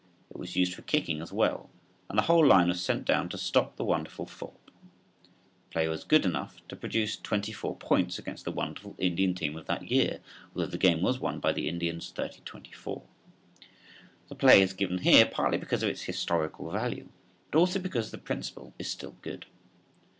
It was used for kicking as well, and the whole line was sent down to stop the wonderful Thorpe. The play was good enough to produce twenty four points against the wonderful Indian team of that year, although the game was won by the Indians 30 24. The play is given here partly because of its historical value, but also because the principle is still good.